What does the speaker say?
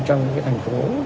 trong những thành phố